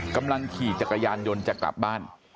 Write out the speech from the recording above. กำลังขี่จักรยานยนต์จะกลับบ้าน